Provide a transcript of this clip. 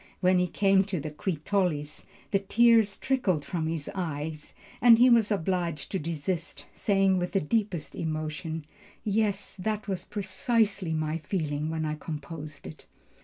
When he came to the Qui tollis, the tears trickled from his eyes and he was obliged to desist, saying with the deepest emotion, "Yes, that was precisely my feeling when I composed it."